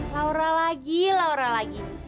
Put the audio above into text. laura lagi laura lagi